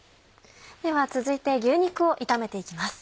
では続いて牛肉を炒めて行きます。